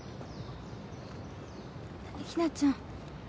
ひなちゃん。